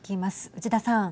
内田さん。